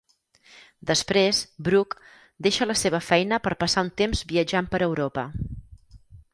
Després, Brooke deixa la seva feina per passar un temps viatjant per Europa.